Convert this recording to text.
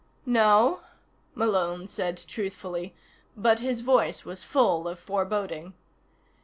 "No," Malone said truthfully, but his voice was full of foreboding.